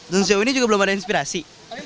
dan sejauh ini juga belum ada inspirasi